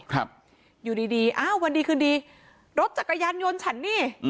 ครับอยู่ดีดีอ้าววันดีคืนดีรถจักรยานยนต์ฉันนี่